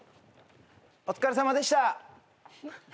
お疲れさまでした。